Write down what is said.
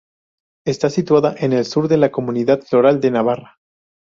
Está situada en el sur de La Comunidad Foral de Navarra.